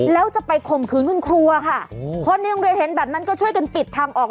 แล้วจะไปข่มขืนคุณครัวค่ะคนในโรงเรียนเห็นแบบนั้นก็ช่วยกันปิดทางออก